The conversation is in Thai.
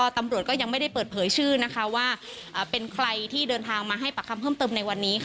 ตำรวจก็ยังไม่ได้เปิดเผยชื่อว่าเป็นใครที่เดินทางมาให้ปากคำเพิ่มเติมในวันนี้